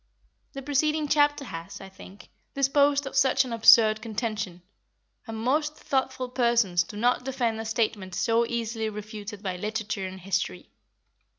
The preceding chapter has, I think, disposed of such an absurd contention, and most thoughtful persons do not defend a statement so easily refuted by literature and history.